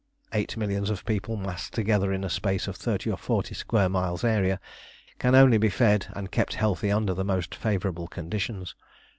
Eight millions of people massed together in a space of thirty or forty square miles' area can only be fed and kept healthy under the most favourable conditions.